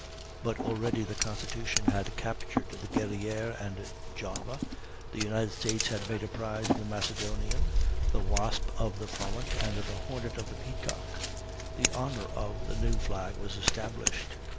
But already the Constitution had captured the Guerrière and Java, the United States had made a prize of the Macedonian, the Wasp of the Frolic, and the Hornet of the Peacock. The honor of the new flag was established.